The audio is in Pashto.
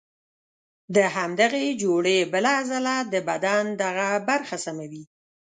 د همدغې جوړې بله عضله د بدن دغه برخه سموي.